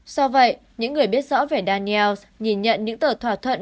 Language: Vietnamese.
do vậy những người biết rõ về dannels nhìn nhận những tờ thỏa thuận